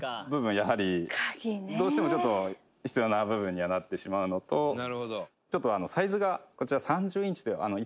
やはりどうしてもちょっと必要な部分にはなってしまうのとちょっとサイズがこちら」